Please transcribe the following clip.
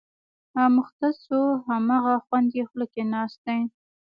اموخته شو، هماغه خوند یې خوله کې ناست دی.